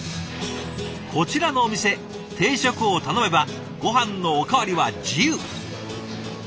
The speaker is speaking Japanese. こちらのお店定食を頼めばごはんのおかわりは自由。